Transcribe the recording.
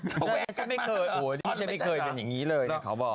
เฮ้ฉันไม่เคยเป็นอย่างงี้เลยนะเขาบอก